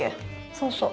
そうそう。